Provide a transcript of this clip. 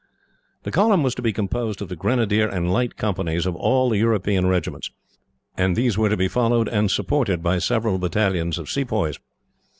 The column was to be composed of the grenadier and light companies of all the European regiments, and these were to be followed and supported by several battalions of Sepoys.